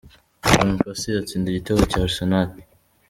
Van Persie atsinda igitego cya Arsenal.